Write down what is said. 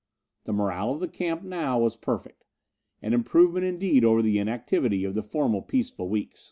The morale of the camp now was perfect. An improvement indeed over the inactivity of the former peaceful weeks!